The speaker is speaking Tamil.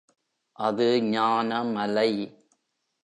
அது ஞான மலை.